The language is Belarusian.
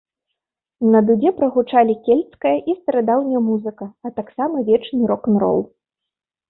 На дудзе прагучалі кельцкая і старадаўняя музыка, а таксама вечны рок-н-рол.